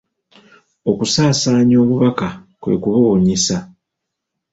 Okusaansaanya obubaka kwe kububunyisa.